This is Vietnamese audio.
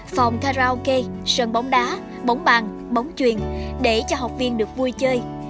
phòng karaoke sân bóng đá bóng bàn bóng truyền để cho học viên được vui chơi